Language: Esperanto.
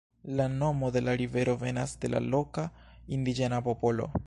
La nomo de la rivero venas de la loka indiĝena popolo.